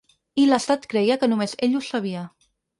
I l’estat creia que només ell ho sabia.